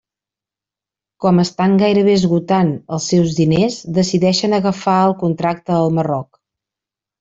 Com estan gairebé esgotant els seus diners, decideixen agafar el contracte al Marroc.